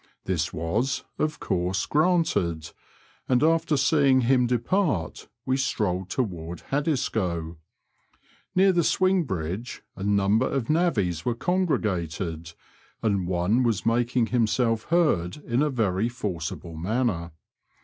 This was, of course, granted, and after seeing him depart we strolled toward Haddiscoe. Near the swing bridge a number of navvies were congregated, and one was making himself heard in a very forcible manner.